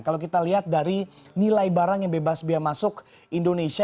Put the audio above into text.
kalau kita lihat dari nilai barang yang bebas biaya masuk indonesia